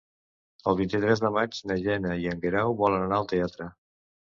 El vint-i-tres de maig na Gemma i en Guerau volen anar al teatre.